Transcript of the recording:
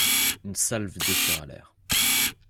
Une salve déchira l'air.